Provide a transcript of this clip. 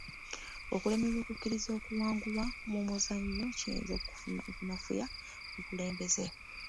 Okulemererwa okukkiriza okuwangulwa mu muzannyo kiyinza okunafuya obukulembeze.